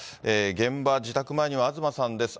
現場自宅前には東さんです。